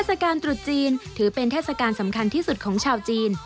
กาลตรุษจีนถือเป็นเทศกาลสำคัญที่สุดของชาวจีน